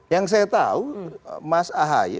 yang saya tahu mas ahy